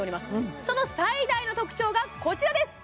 その最大の特徴がこちらです